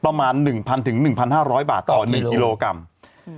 ประมาณหนึ่งพันถึงหนึ่งพันห้าร้อยบาทต่อหนึ่งกิโลกรัมอืม